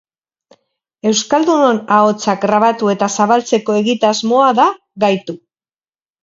Euskaldunon ahotsak grabatu eta zabaltzeko egitasmoa da gaitu.